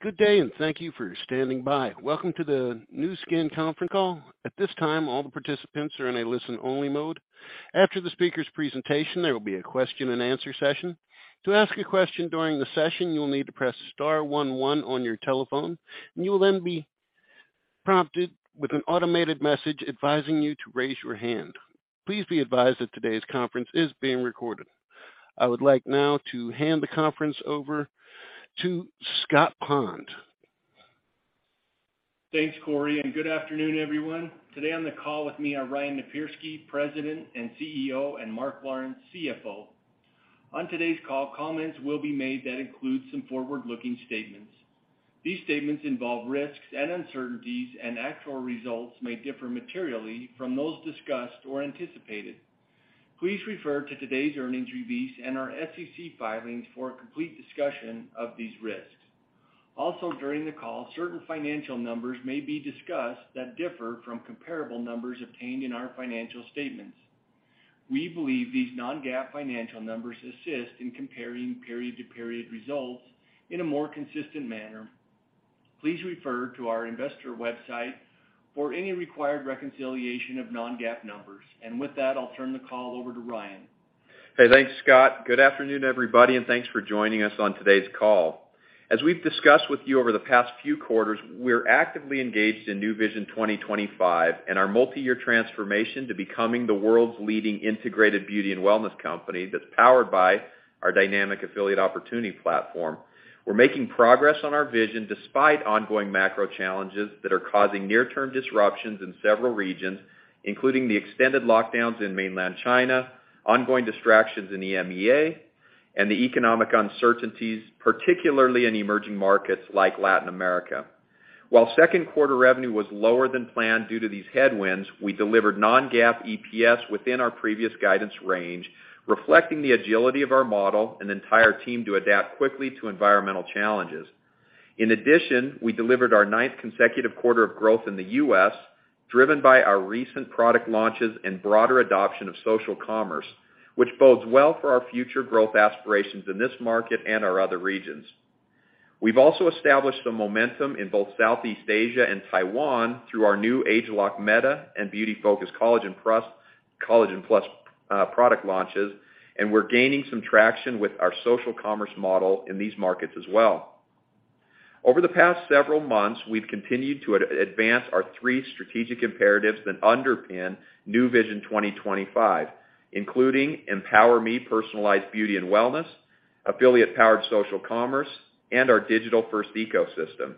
Good day, and thank you for standing by. Welcome to the Nu Skin conference call. At this time, all the participants are in a listen-only mode. After the speaker's presentation, there will be a question and answer session. To ask a question during the session, you will need to press star one one on your telephone, and you will then be prompted with an automated message advising you to raise your hand. Please be advised that today's conference is being recorded. I would like now to hand the conference over to Scott Pond. Thanks, Corey, and good afternoon, everyone. Today on the call with me are Ryan Napierski, President and CEO, and Mark Lawrence, CFO. On today's call, comments will be made that include some forward-looking statements. These statements involve risks and uncertainties, and actual results may differ materially from those discussed or anticipated. Please refer to today's earnings release and our SEC filings for a complete discussion of these risks. Also, during the call, certain financial numbers may be discussed that differ from comparable numbers obtained in our financial statements. We believe these non-GAAP financial numbers assist in comparing period-to-period results in a more consistent manner. Please refer to our investor website for any required reconciliation of non-GAAP numbers. With that, I'll turn the call over to Ryan. Hey, thanks, Scott. Good afternoon, everybody, and thanks for joining us on today's call. As we've discussed with you over the past few quarters, we're actively engaged in Nu Vision 2025 and our multi-year transformation to becoming the world's leading integrated beauty and wellness company that's powered by our dynamic affiliate opportunity platform. We're making progress on our vision despite ongoing macro challenges that are causing near-term disruptions in several regions, including the extended lockdowns in mainland China, ongoing distractions in EMEA, and the economic uncertainties, particularly in emerging markets like Latin America. While second quarter revenue was lower than planned due to these headwinds, we delivered non-GAAP EPS within our previous guidance range, reflecting the agility of our model and entire team to adapt quickly to environmental challenges. In addition, we delivered our ninth consecutive quarter of growth in the U.S., driven by our recent product launches and broader adoption of social commerce, which bodes well for our future growth aspirations in this market and our other regions. We've also established some momentum in both Southeast Asia and Taiwan through our new ageLOC Meta and Beauty Focus Collagen+ product launches, and we're gaining some traction with our social commerce model in these markets as well. Over the past several months, we've continued to advance our three strategic imperatives that underpin Nu Vision 2025, including EMPOWER ME personalized beauty and wellness, affiliate-powered social commerce, and our digital-first ecosystem.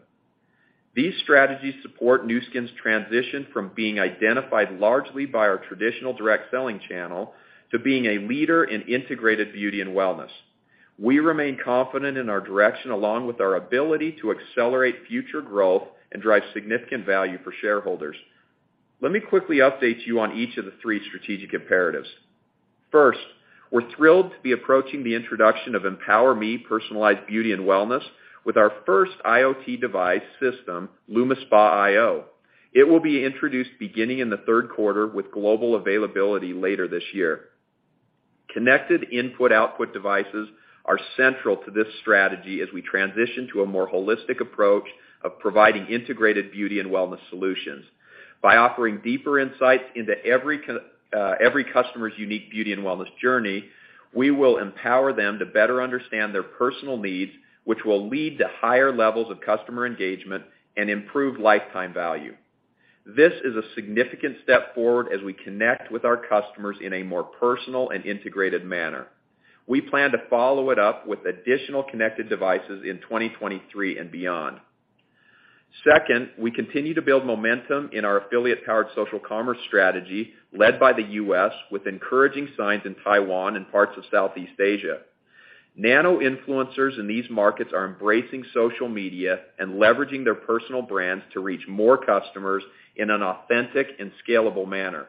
These strategies support Nu Skin's transition from being identified largely by our traditional direct selling channel to being a leader in integrated beauty and wellness. We remain confident in our direction along with our ability to accelerate future growth and drive significant value for shareholders. Let me quickly update you on each of the three strategic imperatives. First, we're thrilled to be approaching the introduction of EMPOWER ME personalized beauty and wellness with our first IoT device system, LumiSpa iO. It will be introduced beginning in the third quarter with global availability later this year. Connected input-output devices are central to this strategy as we transition to a more holistic approach of providing integrated beauty and wellness solutions. By offering deeper insights into every customer's unique beauty and wellness journey, we will empower them to better understand their personal needs, which will lead to higher levels of customer engagement and improved lifetime value. This is a significant step forward as we connect with our customers in a more personal and integrated manner. We plan to follow it up with additional connected devices in 2023 and beyond. Second, we continue to build momentum in our affiliate-powered social commerce strategy led by the U.S. with encouraging signs in Taiwan and parts of Southeast Asia. Nano influencers in these markets are embracing social media and leveraging their personal brands to reach more customers in an authentic and scalable manner.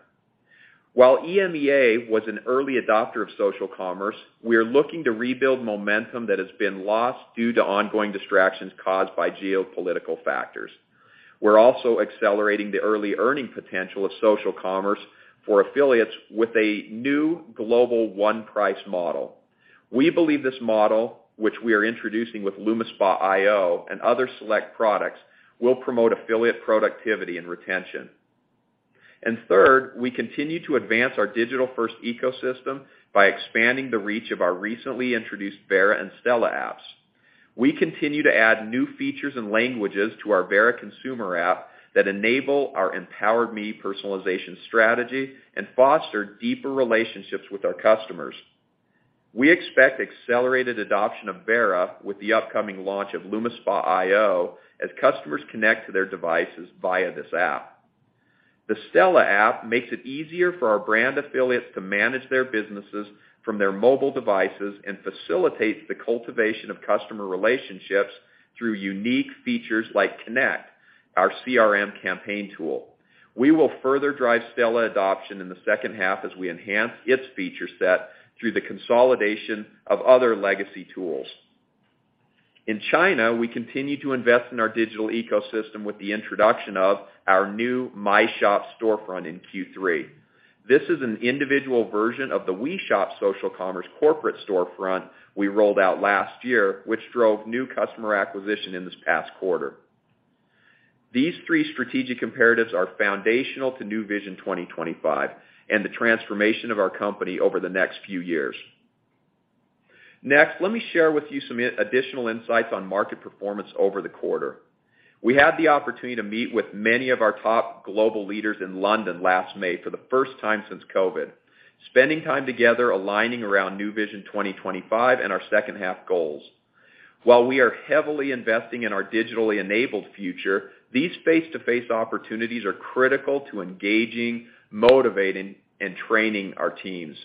While EMEA was an early adopter of social commerce, we are looking to rebuild momentum that has been lost due to ongoing distractions caused by geopolitical factors. We're also accelerating the early earning potential of social commerce for affiliates with a new global one price model. We believe this model, which we are introducing with LumiSpa iO and other select products, will promote affiliate productivity and retention. Third, we continue to advance our digital-first ecosystem by expanding the reach of our recently introduced Vera and Stela Apps. We continue to add new features and languages to our Vera consumer app that enable our EMPOWER ME personalization strategy and foster deeper relationships with our customers. We expect accelerated adoption of Vera with the upcoming launch of LumiSpa iO as customers connect to their devices via this app. The Stela app makes it easier for our brand affiliates to manage their businesses from their mobile devices and facilitates the cultivation of customer relationships through unique features like Connect, our CRM campaign tool. We will further drive Stela adoption in the second half as we enhance its feature set through the consolidation of other legacy tools. In China, we continue to invest in our digital ecosystem with the introduction of our new My Store storefront in Q3. This is an individual version of the We Shop social commerce corporate storefront we rolled out last year, which drove new customer acquisition in this past quarter. These three strategic imperatives are foundational to Nu Vision 2025 and the transformation of our company over the next few years. Next, let me share with you some additional insights on market performance over the quarter. We had the opportunity to meet with many of our top global leaders in London last May for the first time since COVID, spending time together aligning around Nu Vision 2025 and our second half goals. While we are heavily investing in our digitally enabled future, these face-to-face opportunities are critical to engaging, motivating, and training our teams.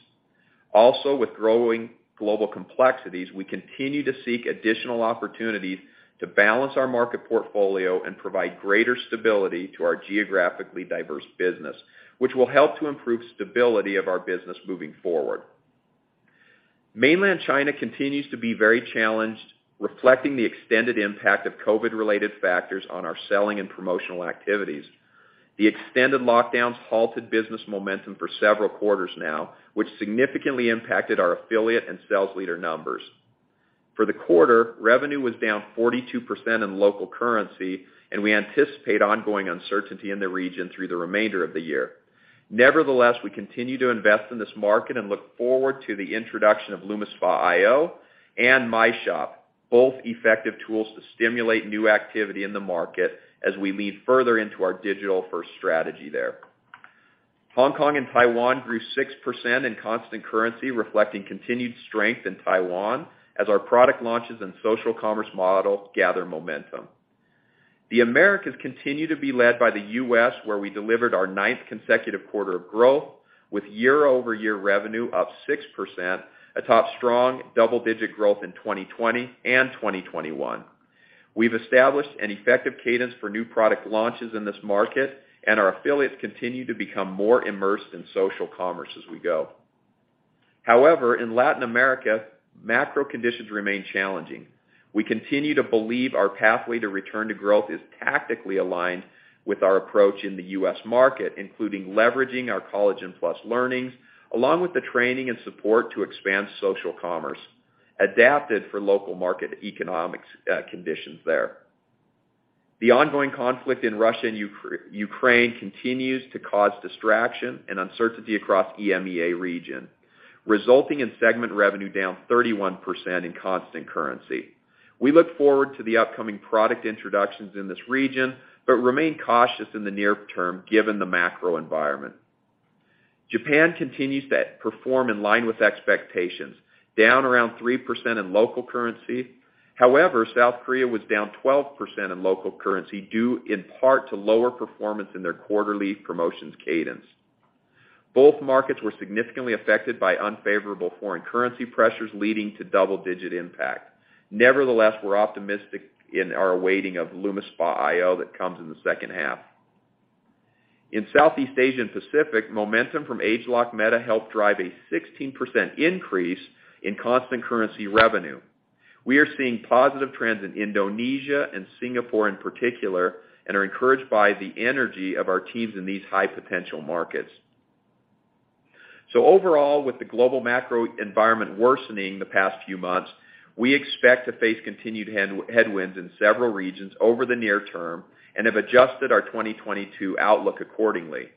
With growing global complexities, we continue to seek additional opportunities to balance our market portfolio and provide greater stability to our geographically diverse business, which will help to improve stability of our business moving forward. Mainland China continues to be very challenged, reflecting the extended impact of COVID-related factors on our selling and promotional activities. The extended lockdowns halted business momentum for several quarters now, which significantly impacted our affiliate and sales leader numbers. For the quarter, revenue was down 42% in local currency, and we anticipate ongoing uncertainty in the region through the remainder of the year. Nevertheless, we continue to invest in this market and look forward to the introduction of LumiSpa iO and My Store, both effective tools to stimulate new activity in the market as we lean further into our digital first strategy there. Hong Kong and Taiwan grew 6% in constant currency, reflecting continued strength in Taiwan as our product launches and social commerce model gather momentum. The Americas continue to be led by the U.S., where we delivered our ninth consecutive quarter of growth with year-over-year revenue up 6% atop strong double-digit growth in 2020 and 2021. We've established an effective cadence for new product launches in this market, and our affiliates continue to become more immersed in social commerce as we go. However, in Latin America, macro conditions remain challenging. We continue to believe our pathway to return to growth is tactically aligned with our approach in the U.S. market, including leveraging our Collagen+ learnings, along with the training and support to expand social commerce, adapted for local market economics, conditions there. The ongoing conflict in Russia and Ukraine continues to cause distraction and uncertainty across EMEA region, resulting in segment revenue down 31% in constant currency. We look forward to the upcoming product introductions in this region, but remain cautious in the near term given the macro environment. Japan continues to perform in line with expectations, down around 3% in local currency. However, South Korea was down 12% in local currency, due in part to lower performance in their quarterly promotions cadence. Both markets were significantly affected by unfavorable foreign currency pressures, leading to double-digit impact. Nevertheless, we're optimistic in our awaiting of LumiSpa iO that comes in the second half. In Southeast Asia and Pacific, momentum from ageLOC Meta helped drive a 16% increase in constant currency revenue. We are seeing positive trends in Indonesia and Singapore in particular, and are encouraged by the energy of our teams in these high-potential markets. Overall, with the global macro environment worsening the past few months, we expect to face continued headwinds in several regions over the near term and have adjusted our 2022 outlook accordingly.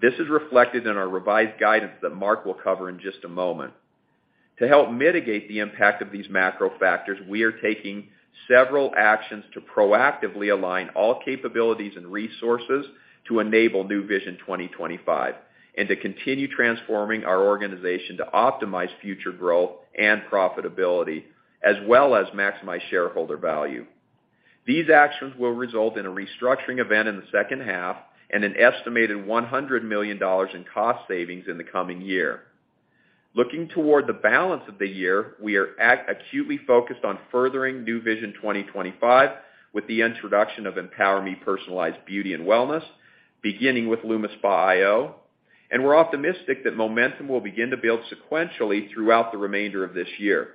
This is reflected in our revised guidance that Mark will cover in just a moment. To help mitigate the impact of these macro factors, we are taking several actions to proactively align all capabilities and resources to enable Nu Vision 2025, and to continue transforming our organization to optimize future growth and profitability, as well as maximize shareholder value. These actions will result in a restructuring event in the second half and an estimated $100 million in cost savings in the coming year. Looking toward the balance of the year, we are acutely focused on furthering Nu Vision 2025 with the introduction of EMPOWER ME personalized beauty and wellness, beginning with LumiSpa iO, and we're optimistic that momentum will begin to build sequentially throughout the remainder of this year.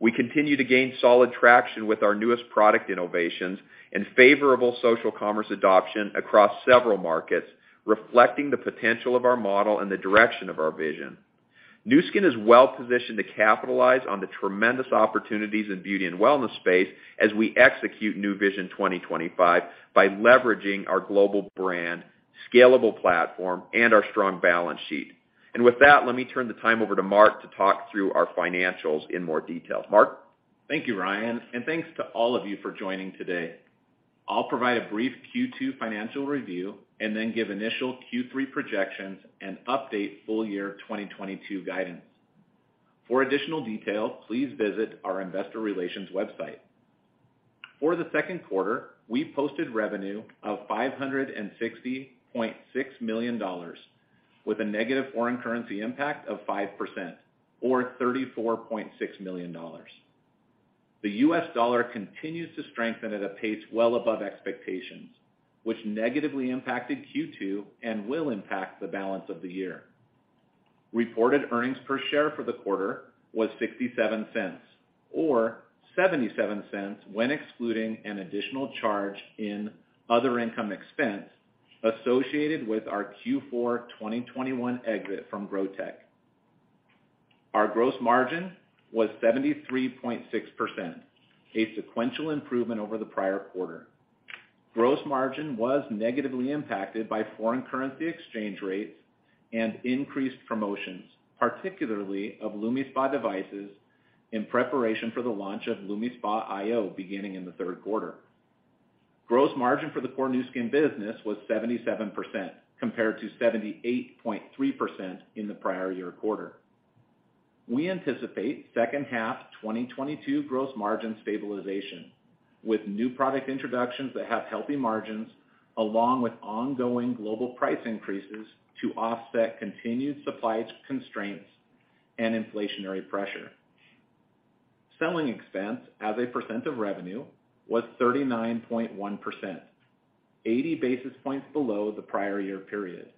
We continue to gain solid traction with our newest product innovations and favorable social commerce adoption across several markets, reflecting the potential of our model and the direction of our vision. Nu Skin is well positioned to capitalize on the tremendous opportunities in beauty and wellness space as we execute Nu Vision 2025 by leveraging our global brand, scalable platform, and our strong balance sheet. With that, let me turn the time over to Mark to talk through our financials in more detail. Mark? Thank you, Ryan, and thanks to all of you for joining today. I'll provide a brief Q2 financial review and then give initial Q3 projections and update full-year 2022 guidance. For additional detail, please visit our Investor Relations website. For the second quarter, we posted revenue of $560.6 million with a negative foreign currency impact of 5% or $34.6 million. The U.S. dollar continues to strengthen at a pace well above expectations, which negatively impacted Q2 and will impact the balance of the year. Reported earnings per share for the quarter was $0.67, or $0.77 when excluding an additional charge in other income/expense associated with our Q4 2021 exit from Grow Tech. Our gross margin was 73.6%, a sequential improvement over the prior quarter. Gross margin was negatively impacted by foreign currency exchange rates and increased promotions, particularly of LumiSpa devices in preparation for the launch of LumiSpa iO beginning in the third quarter. Gross margin for the core Nu Skin business was 77%, compared to 78.3% in the prior year quarter. We anticipate second half 2022 gross margin stabilization, with new product introductions that have healthy margins, along with ongoing global price increases to offset continued supply constraints and inflationary pressure. Selling expense as a percent of revenue was 39.1%, 80 basis points below the prior year period.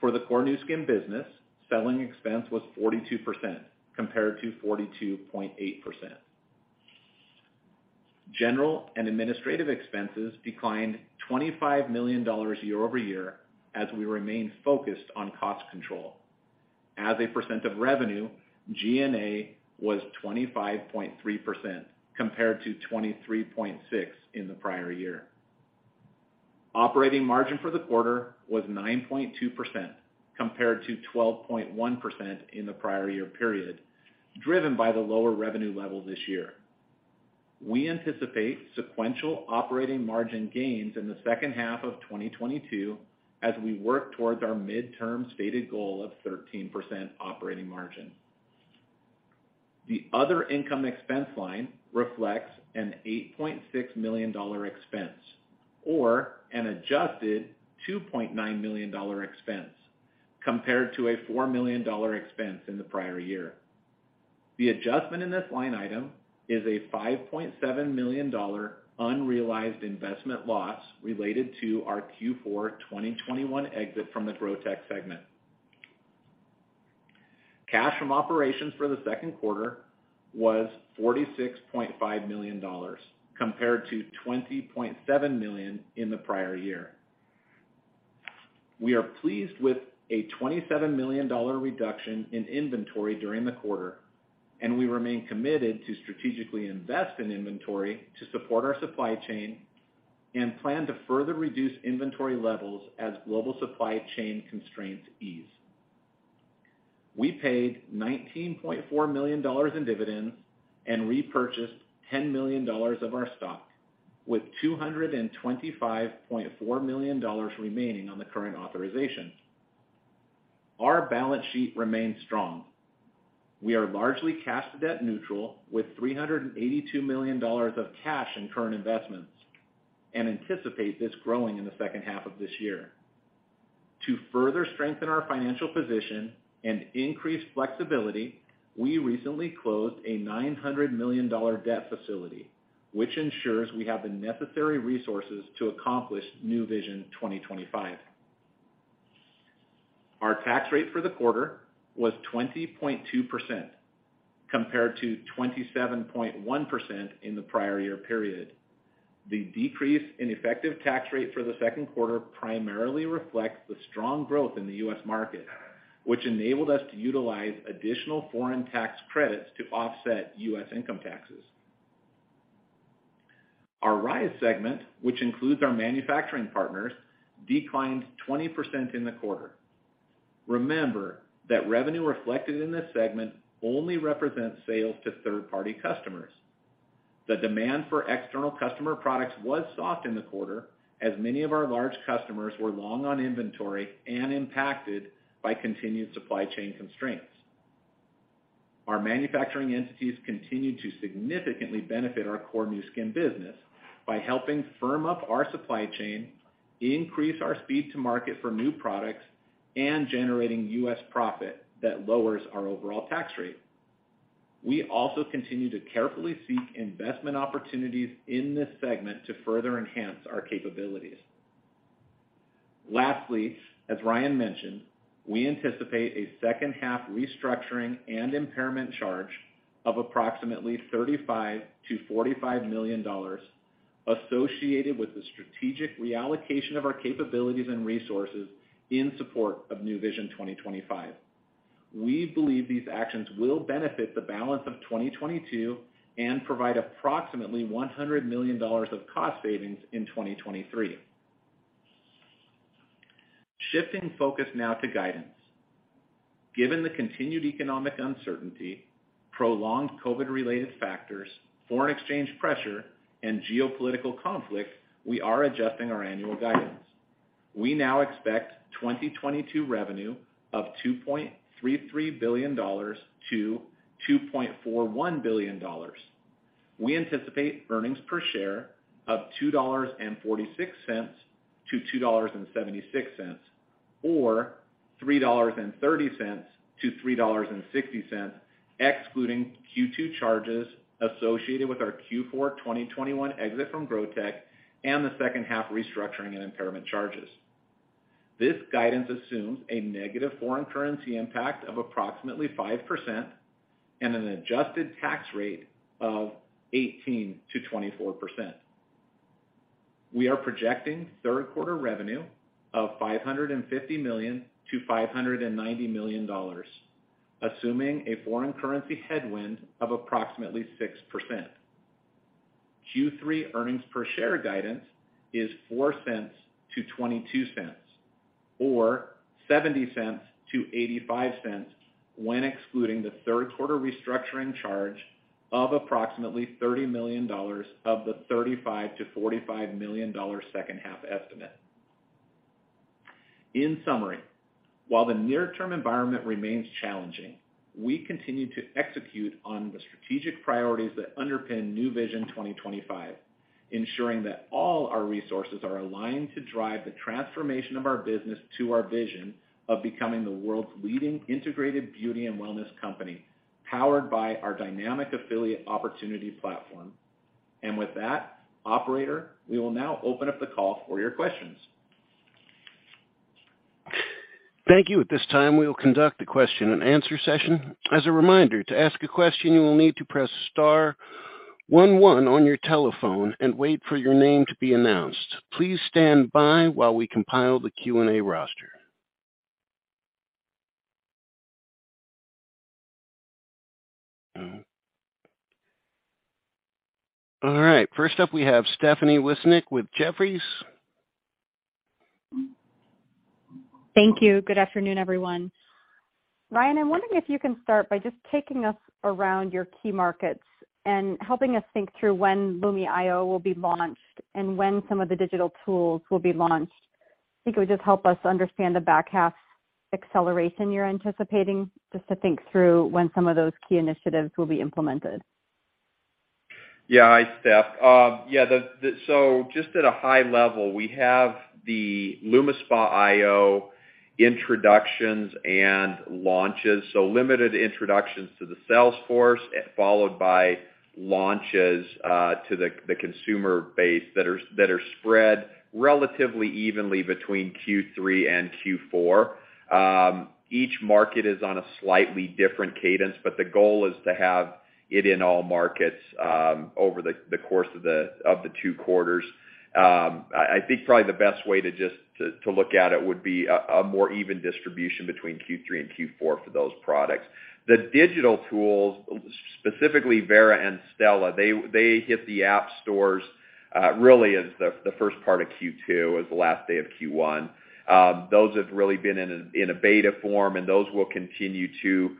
For the core Nu Skin business, selling expense was 42% compared to 42.8%. General and administrative expenses declined $25 million year-over-year as we remain focused on cost control. As a percent of revenue, G&A was 25.3% compared to 23.6% in the prior year. Operating margin for the quarter was 9.2% compared to 12.1% in the prior year period, driven by the lower revenue level this year. We anticipate sequential operating margin gains in the second half of 2022 as we work towards our midterm stated goal of 13% operating margin. The other income expense line reflects an $8.6 million expense or an adjusted $2.9 million expense compared to a $4 million expense in the prior year. The adjustment in this line item is a $5.7 million unrealized investment loss related to our Q4 2021 exit from the Grow Tech segment. Cash from operations for the second quarter was $46.5 million compared to $20.7 million in the prior year. We are pleased with a $27 million reduction in inventory during the quarter, and we remain committed to strategically invest in inventory to support our supply chain and plan to further reduce inventory levels as global supply chain constraints ease. We paid $19.4 million in dividends and repurchased $10 million of our stock, with $225.4 million remaining on the current authorization. Our balance sheet remains strong. We are largely cash to debt neutral with $382 million of cash in current investments and anticipate this growing in the second half of this year. To further strengthen our financial position and increase flexibility, we recently closed a $900 million debt facility, which ensures we have the necessary resources to accomplish Nu Vision 2025. Our tax rate for the quarter was 20.2% compared to 27.1% in the prior year period. The decrease in effective tax rate for the second quarter primarily reflects the strong growth in the U.S. market, which enabled us to utilize additional foreign tax credits to offset U.S. income taxes. Our Rhyz segment, which includes our manufacturing partners, declined 20% in the quarter. Remember that revenue reflected in this segment only represents sales to third-party customers. The demand for external customer products was soft in the quarter as many of our large customers were long on inventory and impacted by continued supply chain constraints. Our manufacturing entities continued to significantly benefit our core Nu Skin business by helping firm up our supply chain, increase our speed to market for new products, and generating U.S. profit that lowers our overall tax rate. We also continue to carefully seek investment opportunities in this segment to further enhance our capabilities. Lastly, as Ryan mentioned, we anticipate a second half restructuring and impairment charge of approximately $35-$45 million associated with the strategic reallocation of our capabilities and resources in support of Nu Vision 2025. We believe these actions will benefit the balance of 2022 and provide approximately $100 million of cost savings in 2023. Shifting focus now to guidance. Given the continued economic uncertainty, prolonged COVID-related factors, foreign exchange pressure, and geopolitical conflict, we are adjusting our annual guidance. We now expect 2022 revenue of $2.33 billion-$2.41 billion. We anticipate earnings per share of $2.46-$2.76 or $3.30-$3.60 excluding Q2 charges associated with our Q4 2021 exit from Grow Tech and the second half restructuring and impairment charges. This guidance assumes a negative foreign currency impact of approximately 5% and an adjusted tax rate of 18%-24%. We are projecting third quarter revenue of $550 million-$590 million, assuming a foreign currency headwind of approximately 6%. Q3 earnings per share guidance is $0.04-$0.22, or $0.70-$0.85 when excluding the third quarter restructuring charge of approximately $30 million of the $35 million-$45 million second half estimate. In summary, while the near-term environment remains challenging, we continue to execute on the strategic priorities that underpin Nu Vision 2025, ensuring that all our resources are aligned to drive the transformation of our business to our vision of becoming the world's leading integrated beauty and wellness company, powered by our dynamic affiliate opportunity platform. With that, operator, we will now open up the call for your questions. Thank you. At this time, we will conduct a question and answer session. As a reminder, to ask a question, you will need to press star one one on your telephone and wait for your name to be announced. Please stand by while we compile the Q&A roster. All right, first up, we have Stephanie Wissink with Jefferies. Thank you. Good afternoon, everyone. Ryan, I'm wondering if you can start by just taking us around your key markets and helping us think through when LumiSpa iO will be launched and when some of the digital tools will be launched. I think it would just help us understand the back half acceleration you're anticipating, just to think through when some of those key initiatives will be implemented. Yeah. Hi, Steph. Just at a high level, we have the LumiSpa iO introductions and launches, limited introductions to the sales force, followed by launches to the consumer base that are spread relatively evenly between Q3 and Q4. Each market is on a slightly different cadence, but the goal is to have it in all markets over the course of the two quarters. I think probably the best way to look at it would be a more even distribution between Q3 and Q4 for those products. The digital tools, specifically Vera and Stela, they hit the app stores really as the first part of Q2 as the last day of Q1. Those have really been in a beta form, and those will continue to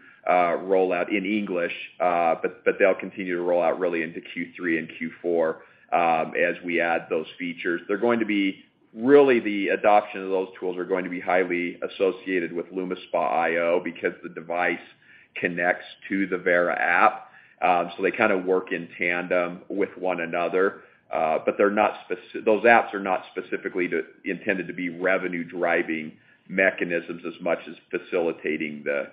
roll out in English, but they'll continue to roll out really into Q3 and Q4, as we add those features. They're going to be really the adoption of those tools are going to be highly associated with LumiSpa iO because the device connects to the Vera App. They kinda work in tandem with one another, but those apps are not specifically intended to be revenue-driving mechanisms as much as facilitating the,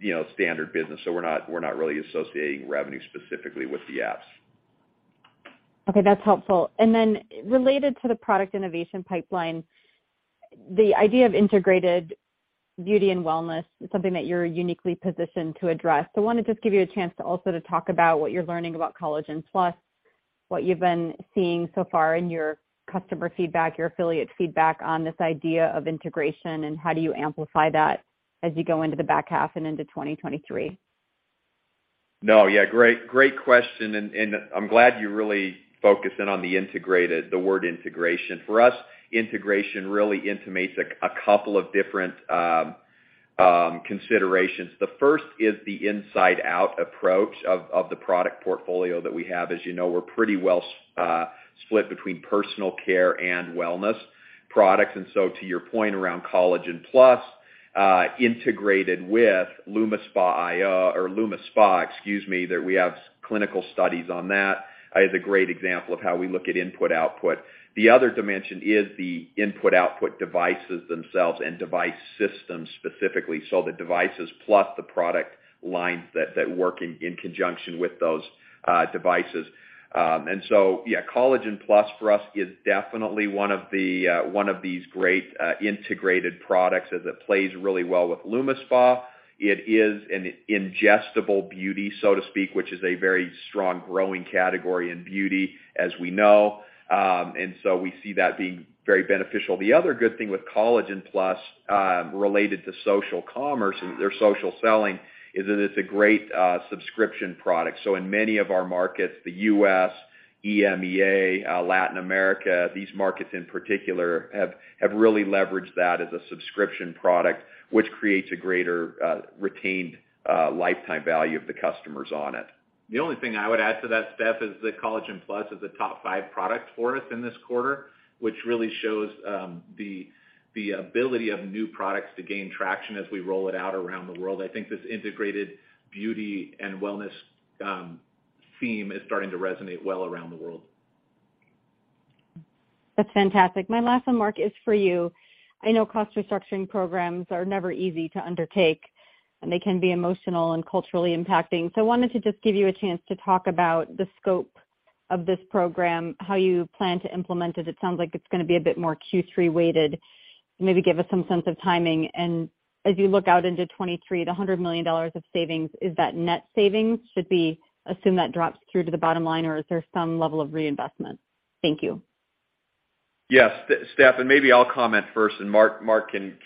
you know, standard business. We're not really associating revenue specifically with the apps. Okay, that's helpful. Then related to the product innovation pipeline, the idea of integrated beauty and wellness is something that you're uniquely positioned to address. I wanna just give you a chance to also talk about what you're learning about Collagen+, what you've been seeing so far in your customer feedback, your affiliate feedback on this idea of integration, and how do you amplify that as you go into the back half and into 2023? No, yeah, great question, and I'm glad you're really focusing on the integrated, the word integration. For us, integration really intimates a couple of different considerations. The first is the inside-out approach of the product portfolio that we have. As you know, we're pretty well split between personal care and wellness products. To your point around Collagen+, integrated with LumiSpa iO or LumiSpa, excuse me, that we have clinical studies on that, is a great example of how we look at input/output. The other dimension is the input/output devices themselves and device systems specifically. The devices plus the product lines that work in conjunction with those devices. Yeah, Collagen+ for us is definitely one of these great integrated products as it plays really well with LumiSpa. It is an ingestible beauty, so to speak, which is a very strong growing category in beauty as we know. We see that being very beneficial. The other good thing with Collagen+, related to social commerce or social selling is that it's a great subscription product. In many of our markets, the U.S., EMEA, Latin America, these markets, in particular, have really leveraged that as a subscription product, which creates a greater retained lifetime value of the customers on it. The only thing I would add to that, Steph, is that Collagen+ is a top five product for us in this quarter, which really shows the ability of new products to gain traction as we roll it out around the world. I think this integrated beauty and wellness theme is starting to resonate well around the world. That's fantastic. My last one, Mark, is for you. I know cost restructuring programs are never easy to undertake, and they can be emotional and culturally impacting. I wanted to just give you a chance to talk about the scope of this program, how you plan to implement it. It sounds like it's gonna be a bit more Q3 weighted. Maybe give us some sense of timing. As you look out into 2023, the $100 million of savings, is that net savings? Should we assume that drops through to the bottom line, or is there some level of reinvestment? Thank you. Yes, Steph, and maybe I'll comment first, and Mark can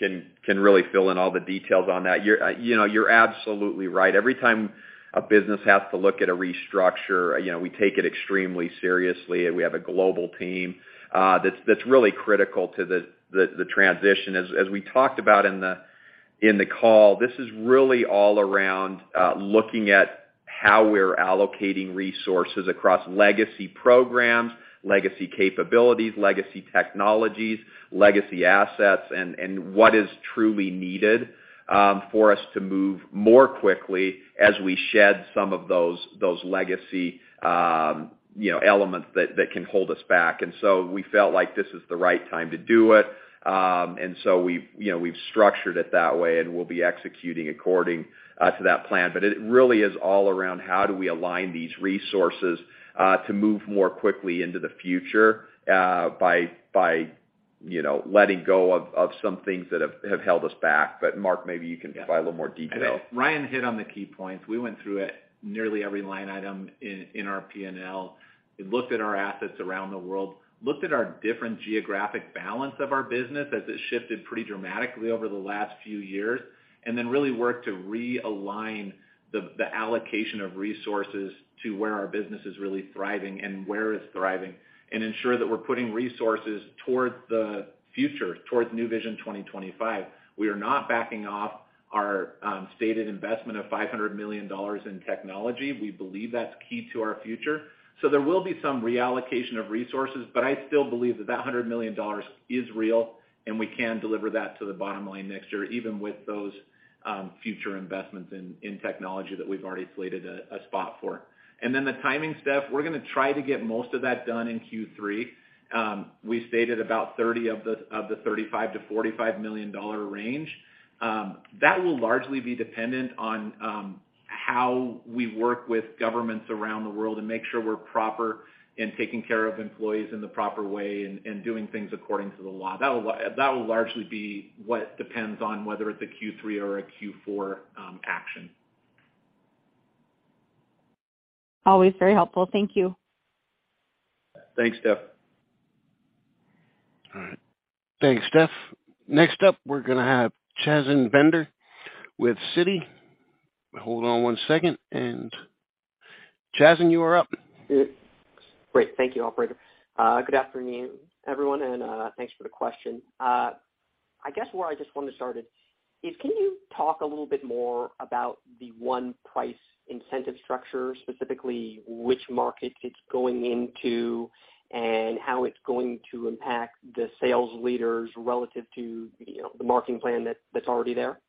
really fill in all the details on that. You're, you know, you're absolutely right. Every time a business has to look at a restructure, you know, we take it extremely seriously, and we have a global team that's really critical to the transition. As we talked about in the call, this is really all around looking at how we're allocating resources across legacy programs, legacy capabilities, legacy technologies, legacy assets, and what is truly needed for us to move more quickly as we shed some of those legacy, you know, elements that can hold us back. We felt like this is the right time to do it. We've, you know, we've structured it that way, and we'll be executing according to that plan. It really is all around how do we align these resources to move more quickly into the future by you know, letting go of some things that have held us back. Mark, maybe you can provide a little more detail. Yeah. I think Ryan hit on the key points. We went through it nearly every line item in our P&L. We looked at our assets around the world, looked at our different geographic balance of our business as it shifted pretty dramatically over the last few years, and then really worked to realign the allocation of resources to where our business is really thriving and where it's thriving and ensure that we're putting resources towards the future, towards Nu Vision 2025. We are not backing off our stated investment of $500 million in technology. We believe that's key to our future. There will be some reallocation of resources, but I still believe that $100 million is real, and we can deliver that to the bottom line next year, even with those future investments in technology that we've already slated a spot for. Then the timing stuff, we're gonna try to get most of that done in Q3. We stated about $30 million of the $35-$45 million range. That will largely be dependent on how we work with governments around the world and make sure we're proper in taking care of employees in the proper way and doing things according to the law. That will largely be what depends on whether it's a Q3 or a Q4 action. Always very helpful. Thank you. Thanks, Steph. All right. Thanks, Steph. Next up, we're gonna have Chasen Bender with Citi. Hold on one second, and Chasen, you are up. Great. Thank you, operator. Good afternoon, everyone, and, thanks for the question. I guess where I just want to start is can you talk a little bit more about the one price incentive structure, specifically which markets it's going into and how it's going to impact the sales leaders relative to, you know, the marketing plan that's already there?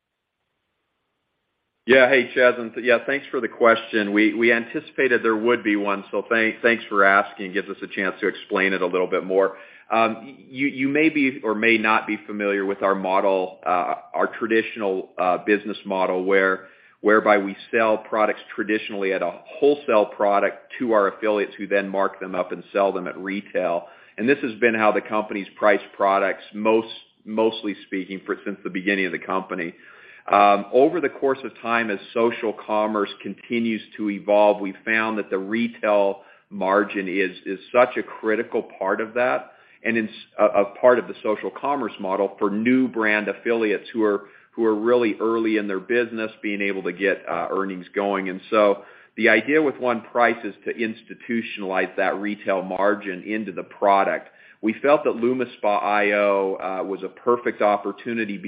Yeah. Hey, Chasen. Yeah, thanks for the question. We anticipated there would be one, so thanks for asking. Gives us a chance to explain it a little bit more. You may be or may not be familiar with our model, our traditional business model, whereby we sell products traditionally at a wholesale price to our affiliates who then mark them up and sell them at retail. This has been how the company's priced products mostly speaking since the beginning of the company. Over the course of time, as social commerce continues to evolve, we found that the retail margin is such a critical part of that and it's a part of the social commerce model for new brand affiliates who are really early in their business, being able to get earnings going. The idea with one price is to institutionalize that retail margin into the product. We felt that LumiSpa iO was a perfect opportunity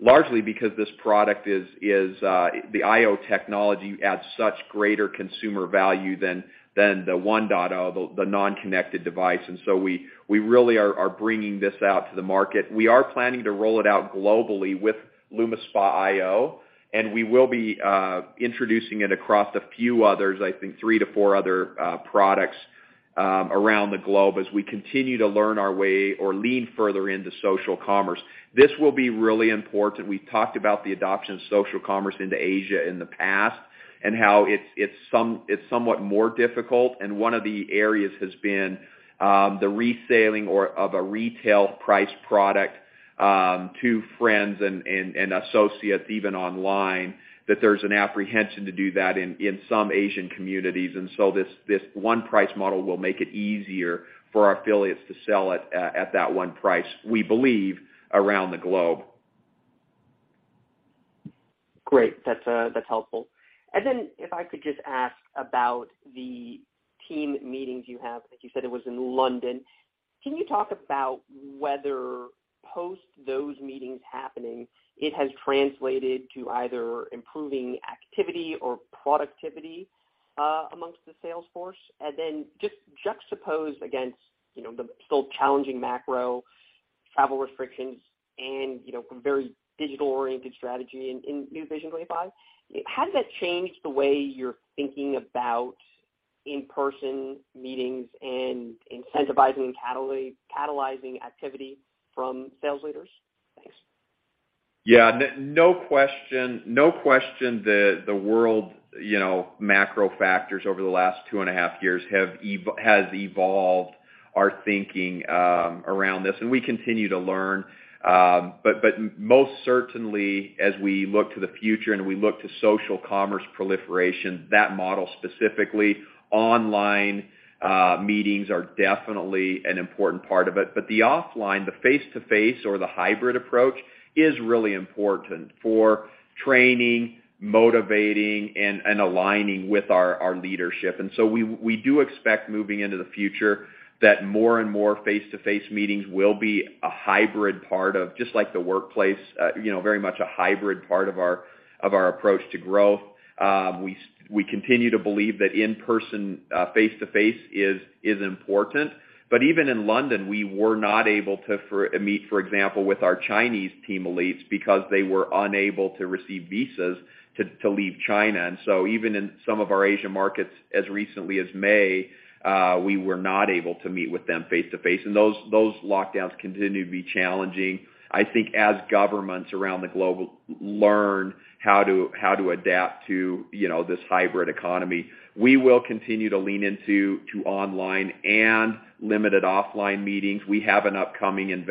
largely because this product is the iO technology adds such greater consumer value than the 1.0, the non-connected device. We really are bringing this out to the market. We are planning to roll it out globally with LumiSpa iO, and we will be introducing it across a few others, I think three to four other products around the globe as we continue to learn our way or lean further into social commerce. This will be really important. We've talked about the adoption of social commerce into Asia in the past and how it's somewhat more difficult, and one of the areas has been the reselling of a retail price product to friends and associates even online, that there's an apprehension to do that in some Asian communities. This one price model will make it easier for our affiliates to sell at that one price, we believe around the globe. Great. That's helpful. If I could just ask about the team meetings you have, I think you said it was in London. Can you talk about whether post those meetings happening, it has translated to either improving activity or productivity among the sales force? Just juxtapose against, you know, the still challenging macro travel restrictions and, you know, very digital-oriented strategy in Nu Vision 2025. Has that changed the way you're thinking about in-person meetings and incentivizing catalyzing activity from sales leaders? Thanks. Yeah. No question the world, you know, macro factors over the last two and a half years has evolved our thinking around this, and we continue to learn. Most certainly as we look to the future and we look to social commerce proliferation, that model specifically, online meetings are definitely an important part of it. The offline, the face-to-face or the hybrid approach is really important for training, motivating and aligning with our leadership. We do expect moving into the future that more and more face-to-face meetings will be a hybrid part of just like the workplace, you know, very much a hybrid part of our approach to growth. We continue to believe that in-person face-to-face is important. Even in London we were not able to meet for example with our Chinese team elites because they were unable to receive visas to leave China. Even in some of our Asian markets as recently as May, we were not able to meet with them face-to-face. Those lockdowns continue to be challenging. I think as governments around the globe learn how to adapt to, you know, this hybrid economy, we will continue to lean into online and limited offline meetings. We have an upcoming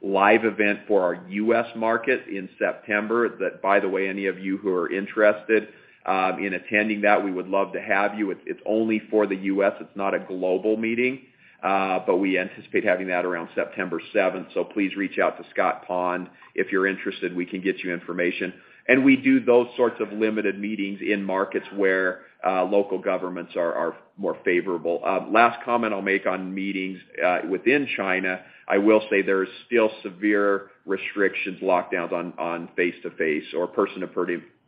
live event for our U.S. market in September that by the way any of you who are interested in attending that we would love to have you. It's only for the U.S., it's not a global meeting. We anticipate having that around September 7th. Please reach out to Scott Pond if you're interested, we can get you information. We do those sorts of limited meetings in markets where local governments are more favorable. Last comment I'll make on meetings within China, I will say there are still severe restrictions, lockdowns on face-to-face or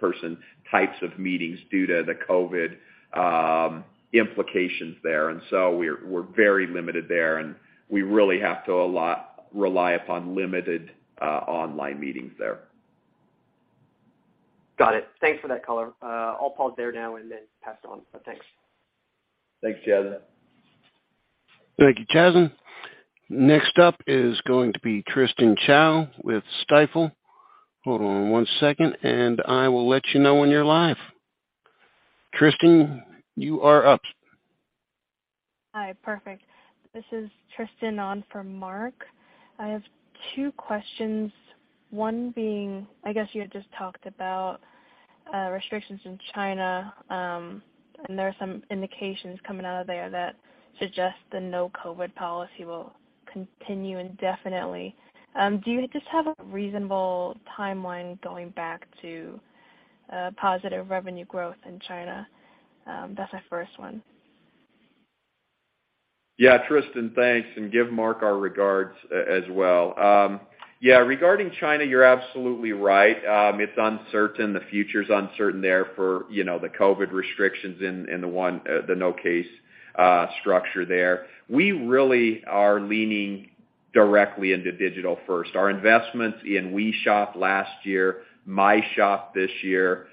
person-to-person types of meetings due to the COVID implications there. We're very limited there and we really have to rely upon limited online meetings there. Got it. Thanks for that color. I'll pause there now and then pass it on. Thanks. Thanks, Chasen. Thank you, Chasen. Next up is going to be Tristan Chau with Stifel. Hold on one second and I will let you know when you're live. Tristan, you are up. Hi, perfect. This is Tristan on for Mark. I have two questions, one being, I guess you had just talked about restrictions in China, and there are some indications coming out of there that suggest the zero-COVID policy will continue indefinitely. Do you just have a reasonable timeline going back to positive revenue growth in China? That's my first one. Yeah. Tristan, thanks. Give Mark our regards as well. Yeah, regarding China, you're absolutely right. It's uncertain, the future's uncertain there for, you know, the COVID restrictions in the zero-case structure there. We really are leaning directly into digital first. Our investments in We Shop last year, My Store this year,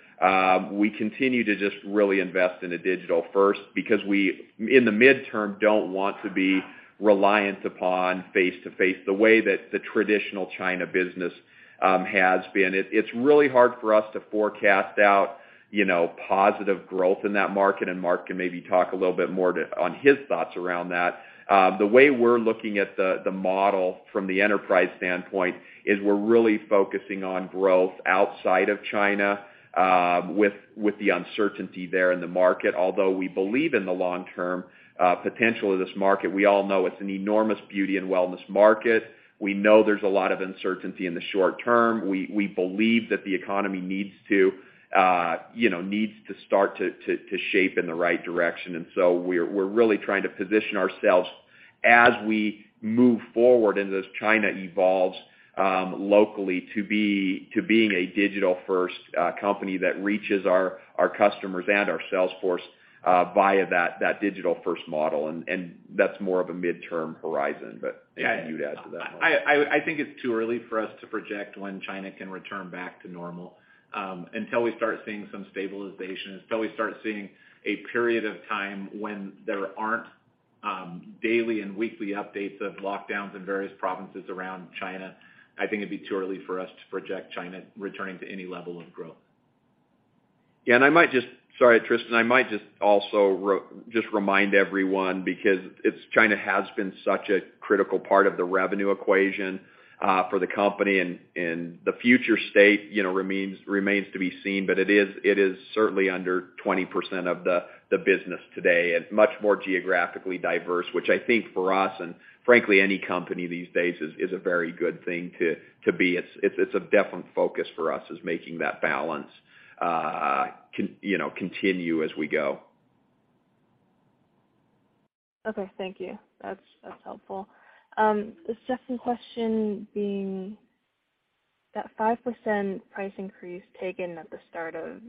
we continue to just really invest in a digital first because we, in the midterm, don't want to be reliant upon face-to-face the way that the traditional China business has been. It's really hard for us to forecast out, you know, positive growth in that market, and Mark can maybe talk a little bit more on his thoughts around that. The way we're looking at the model from the enterprise standpoint is we're really focusing on growth outside of China, with the uncertainty there in the market. Although we believe in the long-term potential of this market, we all know it's an enormous beauty and wellness market. We know there's a lot of uncertainty in the short term. We believe that the economy needs to, you know, start to shape in the right direction. We're really trying to position ourselves as we move forward and as China evolves locally to being a digital first company that reaches our customers and our sales force via that digital first model. That's more of a midterm horizon but maybe you'd add to that, Mark. I think it's too early for us to project when China can return back to normal. Until we start seeing some stabilization, until we start seeing a period of time when there aren't daily and weekly updates of lockdowns in various provinces around China, I think it'd be too early for us to project China returning to any level of growth. Yeah. Sorry, Tristan. I might just also just remind everyone because China has been such a critical part of the revenue equation for the company and the future state, you know, remains to be seen. It is certainly under 20% of the business today and much more geographically diverse, which I think for us and frankly any company these days is a very good thing to be. It's a definite focus for us is making that balance, you know, continue as we go. Okay. Thank you. That's helpful. The second question that 5% price increase taken at the start of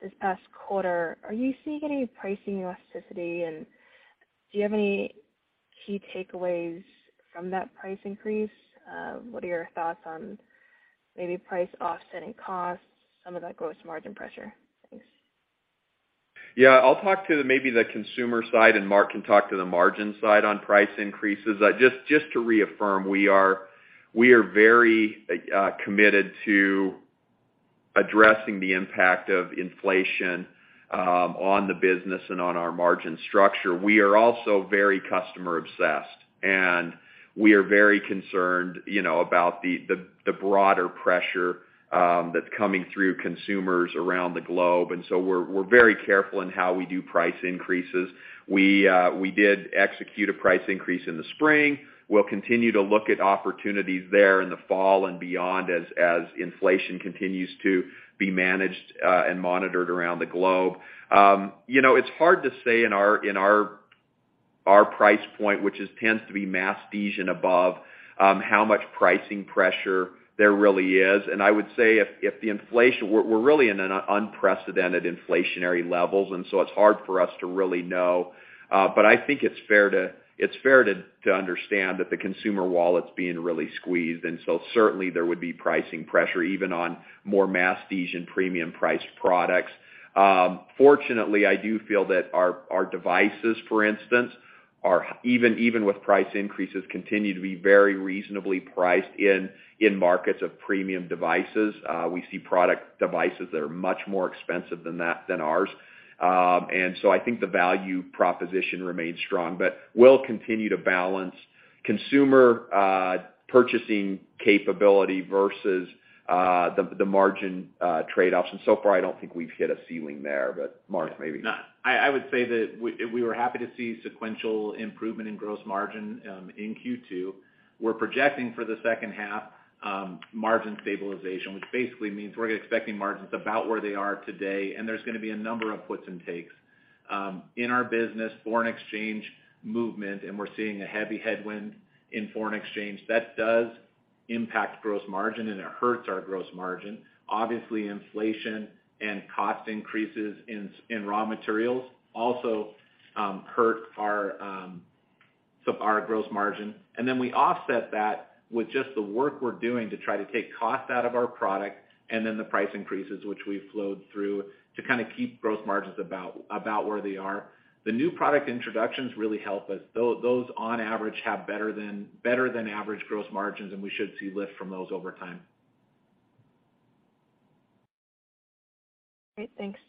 this past quarter, are you seeing any pricing elasticity? And do you have any key takeaways from that price increase? What are your thoughts on maybe price offsetting costs, some of that gross margin pressure? Thanks. Yeah. I'll talk to the consumer side, maybe, and Mark can talk to the margin side on price increases. Just to reaffirm, we are very committed to addressing the impact of inflation on the business and on our margin structure. We are also very customer obsessed, and we are very concerned, you know, about the broader pressure that's coming through consumers around the globe. We're very careful in how we do price increases. We did execute a price increase in the spring. We'll continue to look at opportunities there in the fall and beyond as inflation continues to be managed and monitored around the globe. You know, it's hard to say in our price point, which tends to be masses and above, how much pricing pressure there really is. I would say if the inflation. We're really in an unprecedented inflationary levels, and so it's hard for us to really know. I think it's fair to understand that the consumer wallet's being really squeezed. Certainly, there would be pricing pressure even on more masses and premium priced products. Fortunately, I do feel that our devices, for instance, are even with price increases continue to be very reasonably priced in markets of premium devices. We see product devices that are much more expensive than ours. I think the value proposition remains strong. We'll continue to balance consumer purchasing capability versus the margin trade-offs. So far, I don't think we've hit a ceiling there. Mark, maybe. No. I would say that we were happy to see sequential improvement in gross margin in Q2. We're projecting for the second half margin stabilization, which basically means we're expecting margins about where they are today, and there's gonna be a number of puts and takes in our business, foreign exchange movement, and we're seeing a heavy headwind in foreign exchange, that does impact gross margin, and it hurts our gross margin. Obviously, inflation and cost increases in raw materials also hurt our gross margin. We offset that with just the work we're doing to try to take cost out of our product and then the price increases which we've flowed through to kinda keep gross margins about where they are. The new product introductions really help us. Those on average have better than average gross margins, and we should see lift from those over time. Great. Thanks.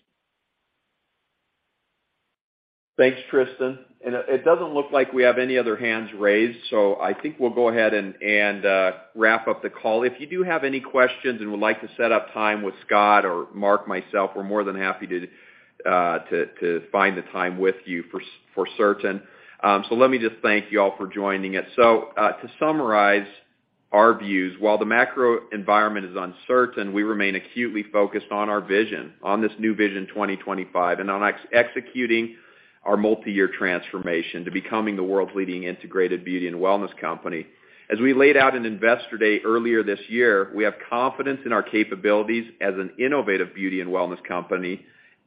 Thanks, Tristan. It doesn't look like we have any other hands raised, so I think we'll go ahead and wrap up the call. If you do have any questions and would like to set up time with Scott or Mark, myself, we're more than happy to find the time with you for certain. Let me just thank you all for joining us. To summarize our views, while the macro environment is uncertain, we remain acutely focused on our vision, on this new Nu Vision 2025, and on executing our multiyear transformation to becoming the world's leading integrated beauty and wellness company. As we laid out in Investor Day earlier this year, we have confidence in our capabilities as an innovative beauty and wellness company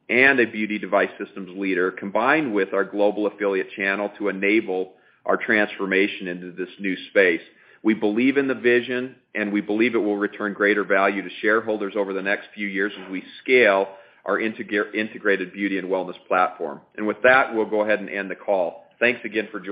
and a beauty device systems leader, combined with our global affiliate channel to enable our transformation into this new space. We believe in the vision, and we believe it will return greater value to shareholders over the next few years as we scale our integrated beauty and wellness platform. With that, we'll go ahead and end the call. Thanks again for joining.